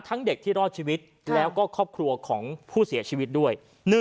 เด็กที่รอดชีวิตแล้วก็ครอบครัวของผู้เสียชีวิตด้วย